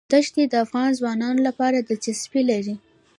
دښتې د افغان ځوانانو لپاره دلچسپي لري.